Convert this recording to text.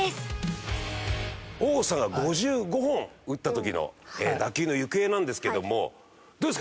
王さんが５５本打った時の打球の行方なんですけどもどうですか？